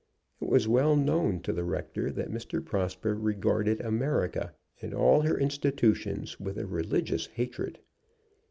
It was well known to the rector that Mr. Prosper regarded America and all her institutions with a religious hatred.